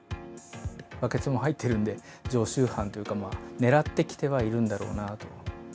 バケツも入ってるんで、常習犯というか、まあ、狙ってきてはいるんだろうなと。